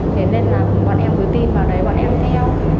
thế nên là bọn em cứ tin vào đấy bọn em theo